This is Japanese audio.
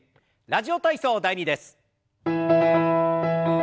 「ラジオ体操第２」です。